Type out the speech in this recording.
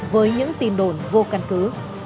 với những tin đồn vô căn cứ